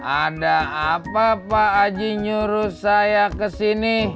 ada apa pak ajih nyuruh saya kesini